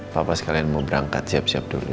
papa sekalian mau berangkat siap siap dulu ya